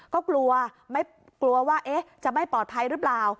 ก็กลัวกลัวว่าจะไม่ปลอดภัยหรือเปล่า